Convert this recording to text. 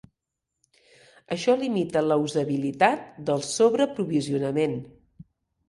Això limita la usabilitat del sobreaprovisionament.